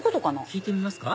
聞いてみますか？